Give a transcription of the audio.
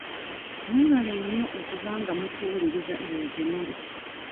Mwebale nnyo okuba nga mutuwuliriza eyo gye muli.